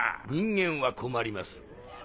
人間は困ります。